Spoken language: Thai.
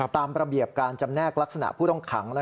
ตามระเบียบการจำแนกลักษณะผู้ต้องขัง